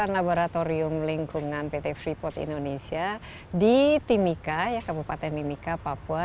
laboratorium lingkungan pt freeport indonesia di timika kabupaten mimika papua